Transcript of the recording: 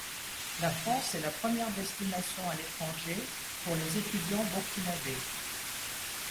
La France est la première destination à l'étranger pour les étudiants burkinabè.